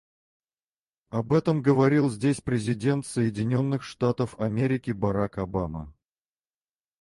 Об этом говорил здесь президент Соединенных Штатов Америки Барак Обама.